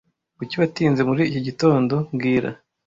Kuki watinze muri iki gitondo mbwira